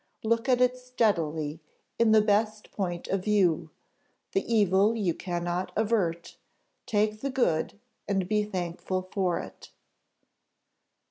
Look at it steadily, in the best point of view the evil you cannot avert; take the good and be thankful for it."